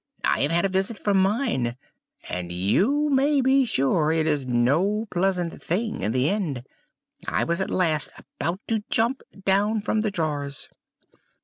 I have had a visit from mine, and you may be sure it is no pleasant thing in the end; I was at last about to jump down from the drawers.